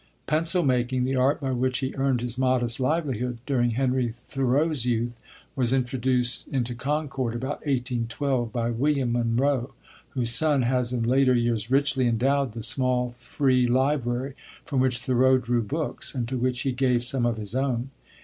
Pencil making, the art by which he earned his modest livelihood during Henry Thoreau's youth, was introduced into Concord about 1812 by William Munroe, whose son has in later years richly endowed the small free library from which Thoreau drew books, and to which he gave some of his own.